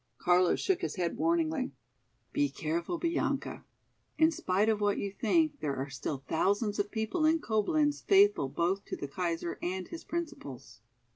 Carlo shook his head warningly. "Be careful, Bianca. In spite of what you think there are still thousands of people in Coblenz faithful both to the Kaiser and his principles.